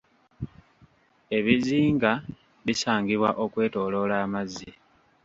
Ebizinga bisangibwa okwetoloola amazzi.